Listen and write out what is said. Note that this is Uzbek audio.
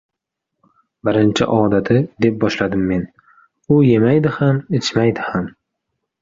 — Birinchi odati, — deb boshladim men, — u yemaydi ham, ichmaydi ham…